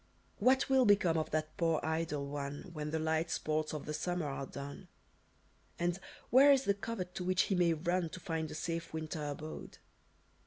"What will become of that poor, idle one When the light sports of the summer are done? And, where is the covert to which he may run To find a safe winter abode?